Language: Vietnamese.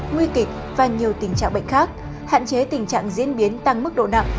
nguy kịch và nhiều tình trạng bệnh khác hạn chế tình trạng diễn biến tăng mức độ nặng